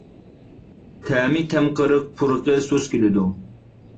تەمى تەم قېرىق، پۇرىقى سۇس كېلىدۇ.